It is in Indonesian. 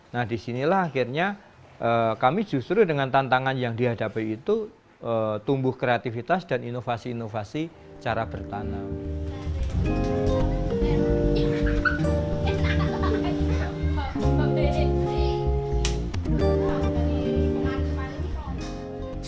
nah disinilah akhirnya kami justru dengan tantangan yang dihadapi itu tumbuh kreativitas dan inovasi inovasi cara bertanam